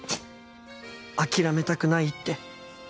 「諦めたくない」って。